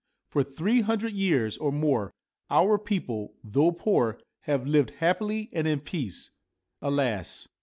' For three hundred years or more our people, though poor, have lived happily and in peace. Alas